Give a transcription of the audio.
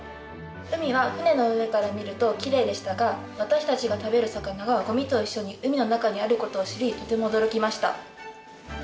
海は船の上から見るときれいでしたが私たちが食べる魚がゴミと一緒に海の中にあることを知りとても驚きました。